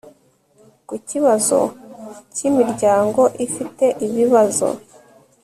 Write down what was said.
ku kibazo cy'imiryango ifite ibibazo